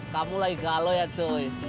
kamu lagi galau ya joy